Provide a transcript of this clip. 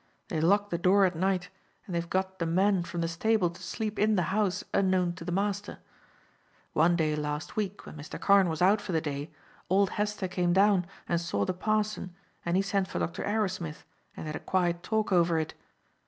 They lock the door at night, and they have got the men from the stable to sleep in the house unknown to the master. One day last week, when Mr. Carne was out for the day, old Hester came down and saw the parson, and he sent for Dr. Arrowsmith, and they had a quiet talk over it.